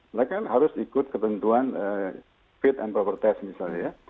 mereka kan harus ikut ketentuan fit and proper test misalnya ya